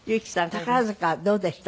宝塚はどうでした？